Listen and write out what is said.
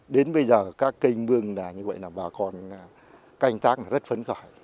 đến bây giờ các kinh bương là như vậy là bà con canh tác là rất phấn khởi